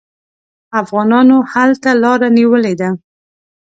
افغانانو هلته لاره نیولې ده.